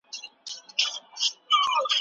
څنګه منځنی سرعت تګ غوړ کاروي؟